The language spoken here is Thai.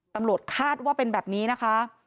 ตำรวจคาดว่าเป็นแบบนี้นะคะ